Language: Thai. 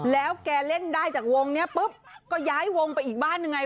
แล้วแกเล่นได้จากวงนี้ปุ๊บก็ย้ายวงไปอีกบ้านหนึ่งไง